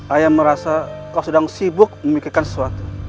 ayah merasa kau sedang sibuk memikirkan sesuatu